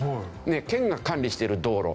県が管理している道路。